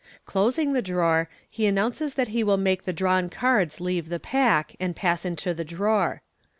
Closing the drawer, he announces that he will make the drawn cards leave the pack, and pass into the drawer.